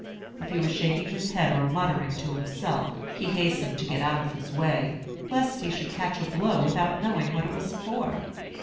If he was shaking his head or muttering to himself, he hastened to get out of his way, lest he should catch a blow without knowing what it was for.